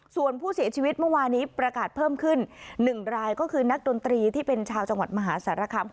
ส่วนผู้เสียชีวิตเมื่อวานี้ประกาศเพิ่มขึ้น๑รายก็คือนักดนตรีที่เป็นชาวจังหวัดมหาสารคาม